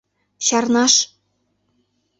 Чарнаш!